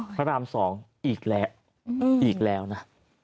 พระราม๒อีกแล้วอีกแล้วนะ